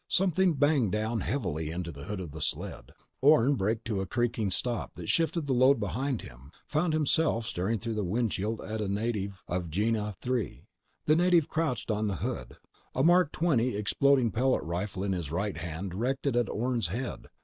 Something banged down heavily onto the hood of the sled. Orne braked to a creaking stop that shifted the load behind him, found himself staring through the windshield at a native of Gienah III. The native crouched on the hood, a Mark XX exploding pellet rifle in his right hand directed at Orne's head.